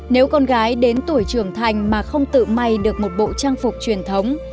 nếu con gái đến tuổi trưởng thành mà không tự may được một bộ trang phục truyền thống